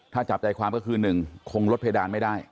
ถ้าจับใจความก็คือ๑คงลดเพดานไม่ได้